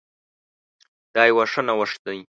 دا يو ښه نوښت ده